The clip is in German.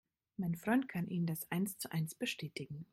Mein Freund kann Ihnen das eins zu eins bestätigen.